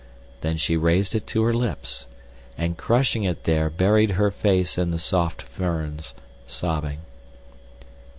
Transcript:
Then she raised it to her lips, and crushing it there buried her face in the soft ferns, sobbing.